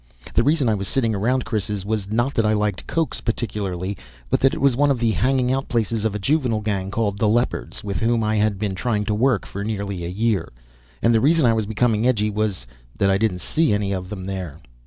The reason I was sitting around Chris's was not that I liked Cokes particularly, but that it was one of the hanging out places of a juvenile gang called The Leopards, with whom I had been trying to work for nearly a year; and the reason I was becoming edgy was that I didn't see any of them there.